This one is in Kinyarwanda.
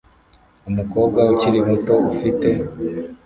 Umukobwa ukiri muto ufite